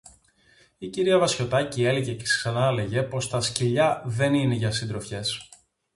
Η κυρία Βασιωτάκη έλεγε και ξανάλεγε πως τα σκυλιά δεν είναι για συντροφιές